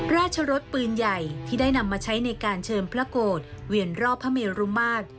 รสปืนใหญ่ที่ได้นำมาใช้ในการเชิญพระโกรธเวียนรอบพระเมรุมาตร